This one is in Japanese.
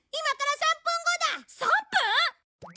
３分！？